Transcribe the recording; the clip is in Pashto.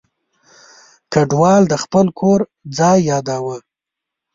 کډوال د خپل کور ځای یاداوه.